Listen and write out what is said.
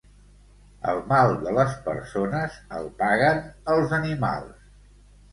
El mal de les persones el paguen els animals.